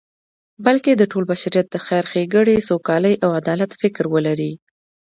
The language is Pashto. بلکی د ټول بشریت د خیر، ښیګڼی، سوکالی او عدالت فکر ولری